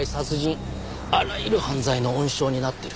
あらゆる犯罪の温床になってる。